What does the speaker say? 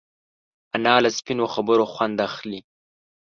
انا له سپینو خبرو خوند اخلي